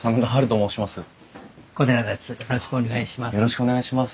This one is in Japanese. よろしくお願いします。